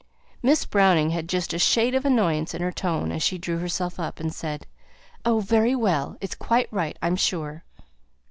Miss Browning had just a shade of annoyance in her tone as she drew herself up, and said, "Oh! very well. It's quite right, I'm sure."